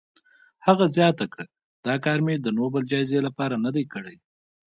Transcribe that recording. هغه زیاته کړه، دا کار مې د نوبل جایزې لپاره نه دی کړی.